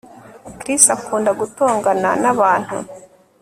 Chris akunda gutongana nabantu